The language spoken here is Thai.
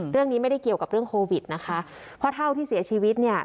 เรื่องนี้ไม่ได้เกี่ยวกับเรื่องโควิดนะคะเพราะเท่าที่เสียชีวิตเนี่ย